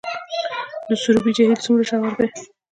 د سروبي جهیل څومره ژور دی؟